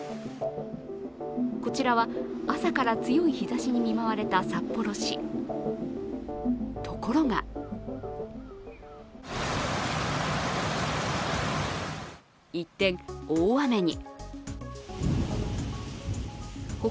こちらは朝から強い日ざしに見舞われた札幌市ところが一転、大雨に。